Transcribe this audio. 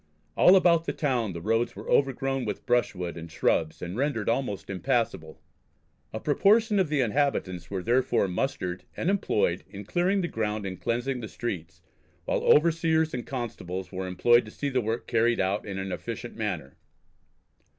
All about the town the roads were overgrown with brushwood and shrubs and rendered almost impassable. A proportion of the inhabitants were therefore mustered and employed in clearing the ground and cleansing the streets, while overseers and constables were employed to see the work carried out in an efficient manner.